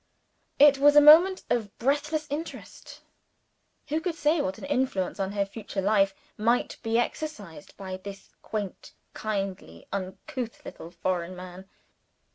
It was a moment of breathless interest. Who could say what an influence on her future life might be exercised by this quaint kindly uncouth little foreign man?